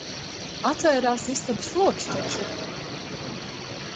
Atvērās istabas logs taču.